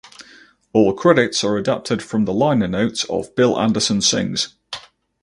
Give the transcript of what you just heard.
All credits are adapted from the liner notes of "Bill Anderson Sings".